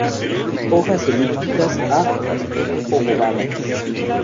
Hojas elípticas a obovadas.